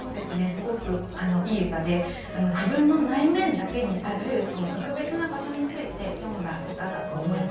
すごくいい歌で自分の内面だけにある特別な場所について詠んだ歌だと思いました。